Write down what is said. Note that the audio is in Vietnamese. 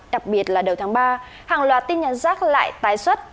đặc biệt là đầu tháng ba hàng loạt tin nhắn rác lại tái xuất